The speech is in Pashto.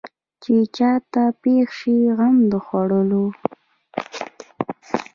چې چا ته پېښ شي غم د خوړلو.